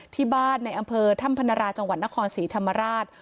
ที่บ้านในอำเภอถ้ำพนราจังหวัดนครศรีธรรมราช